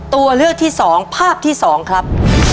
ตัวเลือกที่๒ภาพที่๒ครับ